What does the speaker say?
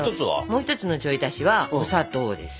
もう一つのちょい足しはお砂糖です。